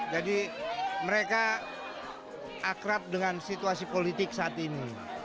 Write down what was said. jadi mereka akrab dengan situasi politik saat ini